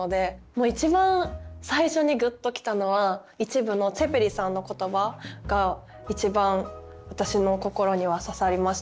もう一番最初にぐっときたのは１部のツェペリさんの言葉が一番私の心には刺さりましたね。